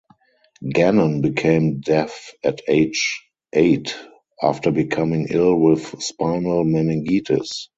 Gannon became deaf at age eight after becoming ill with spinal meningitis.